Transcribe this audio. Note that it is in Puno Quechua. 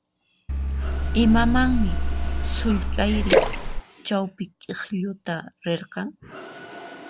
Imamanmi sullk'ayri chawpi k'iklluta rirqan?